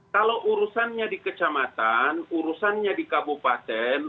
kalau urusannya di kecamatan urusannya di kabupaten